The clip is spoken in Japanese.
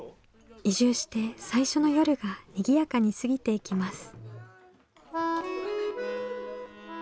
移住して最初の夜がにぎやかに過ぎていきます。